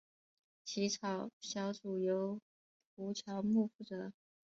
起草小组由胡乔木负责。